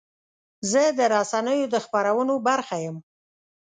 زه د رسنیو د خپرونو برخه یم.